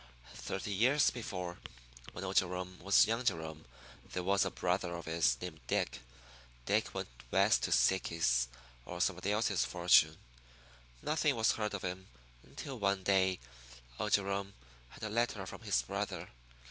Thirty years before, when old Jerome was young Jerome, there was a brother of his named Dick. Dick went West to seek his or somebody else's fortune. Nothing was heard of him until one day old Jerome had a letter from his brother.